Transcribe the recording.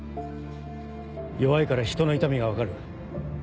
弱いからひとの痛みが分かる。